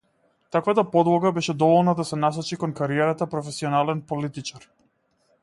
Таквата подлога беше доволна да се насочи кон кариерата професионален политичар.